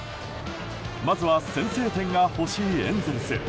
まずは先制点が欲しいエンゼルス。